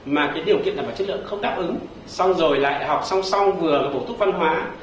mà cái điều kiện đảm bảo chất lượng không đáp ứng xong rồi lại học xong xong vừa bổ thúc văn hóa